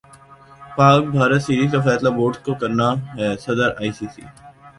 پاک بھارت سیریز کا فیصلہ بورڈ زکو کرنا ہےصدر ائی سی سی